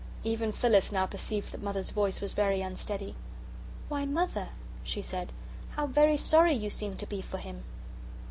Even Phyllis now perceived that mother's voice was very unsteady. "Why, Mother," she said, "how very sorry you seem to be for him!"